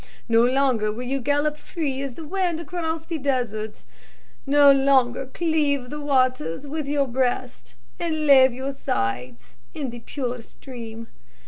No longer will you gallop free as the wind across the desert; no longer cleave the waters with your breast, and lave your sides in the pure stream.